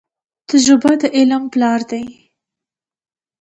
تجربه د علم پلار دی.